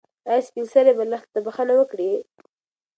ایا سپین سرې به لښتې ته بښنه وکړي؟